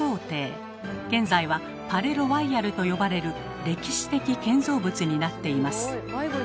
現在は「パレ・ロワイヤル」と呼ばれる歴史的建造物になっています。